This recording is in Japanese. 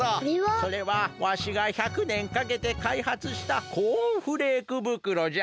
それはわしが１００ねんかけてかいはつしたコーンフレークぶくろじゃ。